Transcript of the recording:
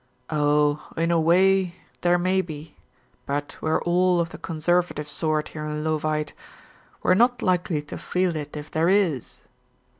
"Oh, in a way there may be, but we're all of the conservative sort here in Leauvite. We're not likely to feel it if there is.